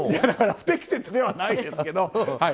だから不適切ではないですけど。